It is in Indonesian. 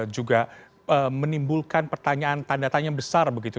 juga menimbulkan pertanyaan tanda tanya besar begitu